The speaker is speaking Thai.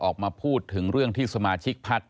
ออกมาพูดถึงเรื่องที่สมาชิกพัก